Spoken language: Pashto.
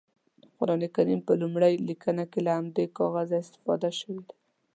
د قرانکریم په لومړنۍ لیکنه کې له همدې کاغذه استفاده شوې ده.